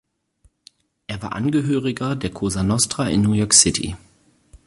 Er war Angehöriger der Cosa Nostra in New York City.